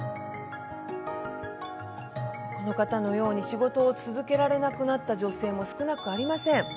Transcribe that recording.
仕事を続けられなくなった女性も少なくありません。